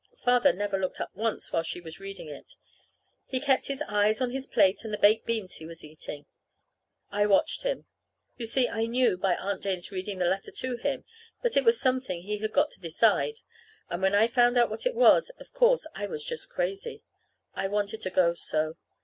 Father never looked up once while she was reading it. He kept his eyes on his plate and the baked beans he was eating. I watched him. You see, I knew, by Aunt Jane's reading the letter to him, that it was something he had got to decide; and when I found out what it was, of course, I was just crazy. I wanted to go so.